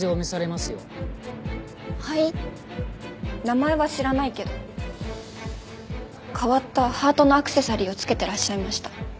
名前は知らないけど変わったハートのアクセサリーをつけてらっしゃいました。